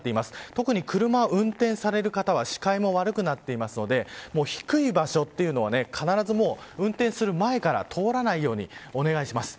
特に車を運転される方は視界も悪くなっているので低い場所というのは必ず運転する前から通らないようにお願いします。